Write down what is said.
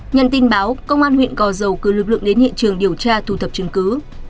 nhận tin báo công an huyện gò dầu cử lực lượng đến hiện trường điều tra thu thập chứng cứ